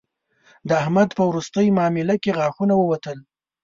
د احمد په روستۍ مامله کې غاښونه ووتل